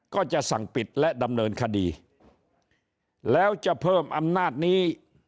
ก็จะสั่งปิดและดำเนินคดีแล้วจะเพิ่มอำนาจนี้